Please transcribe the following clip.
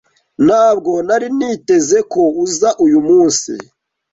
Ntabwo nari niteze ko uza uyu munsi.